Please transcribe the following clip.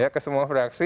ya ke semua fraksi